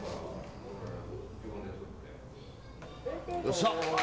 よっしゃ。